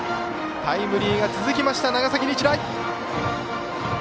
タイムリーが続きました長崎日大！